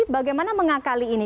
bagaimana mengakali ini